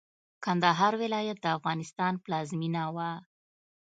کندهار ولايت د افغانستان پلازمېنه وه.